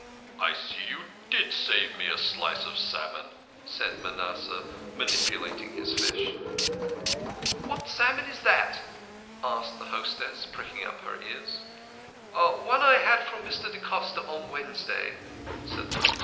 " I see you did save me a slice of salmon," said Manasseh, manipulating his fish. "What salmon was that?" asked the hostess, pricking up her ears. " One I had from Mr. da Costa on Wednesday," said the host.